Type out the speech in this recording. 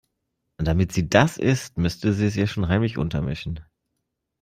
Damit sie das isst, müsste sie es ihr schon heimlich untermischen.